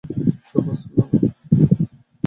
সুর বাজল না।